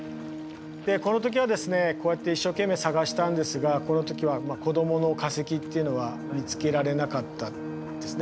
でこの時はですねこうやって一生懸命探したんですがこの時は子供の化石っていうのは見つけられなかったですね。